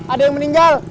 ada yang meninggal